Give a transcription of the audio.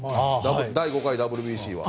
第５回ＷＢＣは。